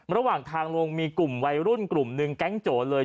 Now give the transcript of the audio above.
ระหว่างทางลงมีกลุ่มวัยรุ่นกลุ่มหนึ่งแก๊งโจเลย